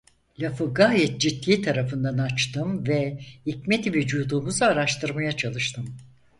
Lafı gayet ciddi tarafından açtım ve ‘hikmeti vücudumuz’u araştırmaya çalıştım.